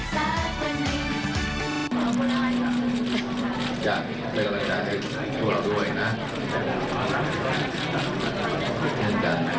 ขอให้คุณสุขความนุ่นเร็จทุกอย่างที่ตั้งใจ